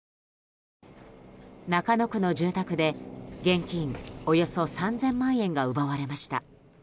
中野区の住宅で現金およそ３０００万円が奪われました。